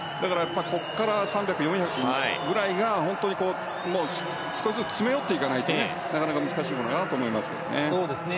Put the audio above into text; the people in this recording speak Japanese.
ここから３００、４００ぐらいが本当に少しずつ詰め寄っていかないとなかなか難しいと思いますね。